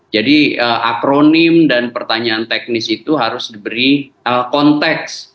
jadi akronim dan pertanyaan teknis itu harus diberi konteks